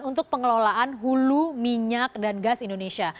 untuk pengelolaan hulu minyak dan gas indonesia